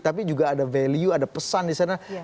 tapi juga ada value ada pesan di sana